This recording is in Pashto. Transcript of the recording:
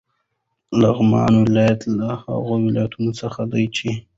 لغمان ولایت له هغو ولایتونو څخه دی چې: